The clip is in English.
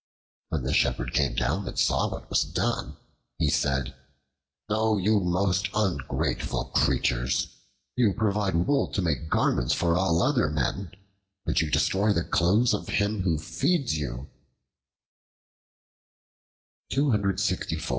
When the Shepherd came down and saw what was done, he said, "O you most ungrateful creatures! You provide wool to make garments for all other men, but you destroy the clothes of him who feeds you."